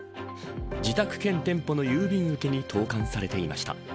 自宅兼店舗の郵便受けに投函されていました。